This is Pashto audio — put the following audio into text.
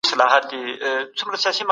لومړی خو دغسي دوستۍ ښه نتايج نلري،